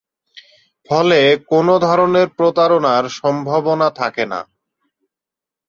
ফলে কোনও ধরনের প্রতারণার সম্ভাবনা থাকে না।